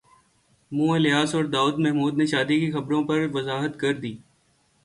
منہ الیاس اور داور محمود نے شادی کی خبروں پر وضاحت کردی